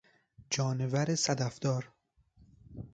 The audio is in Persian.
جانور صدف دار